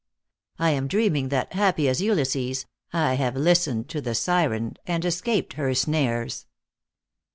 " I am dreaming that, happy as Ulysses, I have lis tened to the Syren, and escaped her snares."